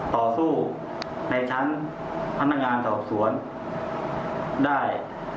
ต่อสู้ในชั้นพนักงานสอบสวนได้